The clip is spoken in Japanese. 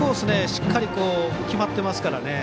しっかり決まってますからね。